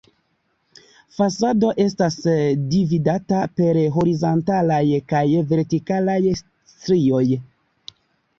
Fasado estas dividata per horizontalaj kaj vertikalaj strioj.